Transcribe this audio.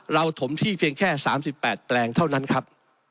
ถมที่เพียงแค่๓๘แปลงเท่านั้นครับ